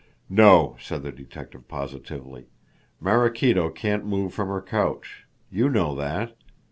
"No!" said the detective positively. "Maraquito can't move from her couch. You know that.